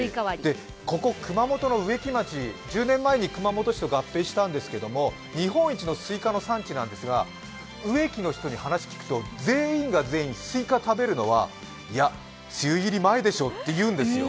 ここ熊本の植木町、１０年前に熊本市と合併したんですが、日本一のすいかの産地なんですが植木の人に話を聞くと全員が全員、すいか食べるのはいや、梅雨入り前でしょうって言うんですよ。